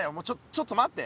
ちょっと待って。